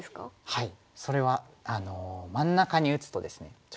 はい。